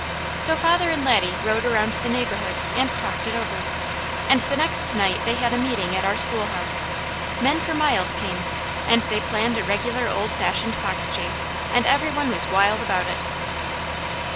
So father and Laddie rode around the neighbourhood and talked it over, and the next night they had a meeting at our schoolhouse; men for miles came, and they planned a regular old fashioned foxchase, and every one was wild about it.